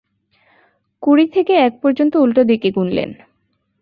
কুড়ি থেকে এক পর্যন্ত উল্টো দিকে গুনলেন।